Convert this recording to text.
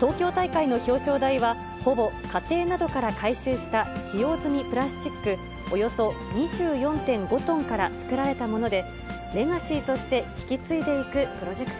東京大会の表彰台は、ほぼ家庭などから回収した使用済みプラスチックおよそ２４．５トンから作られたもので、レガシーとして引き継いでいくプロジェク